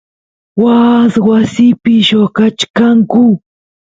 waas wasipi lloqachkanku